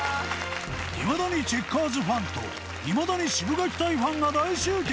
いまだにチェッカーズファンといまだにシブがき隊ファンが大集結！